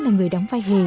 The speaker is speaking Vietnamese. là người đóng vai hề